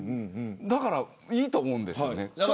だから、いいと思うんですよね。